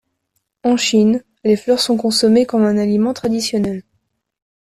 En Chine, les fleurs sont consommées comme un aliment traditionnel.